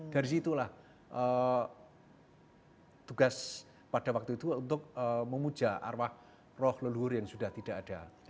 dari situlah tugas pada waktu itu untuk memuja arwah roh leluhur yang sudah tidak ada